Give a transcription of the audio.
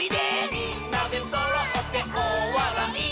「みんなでそろっておおわらい」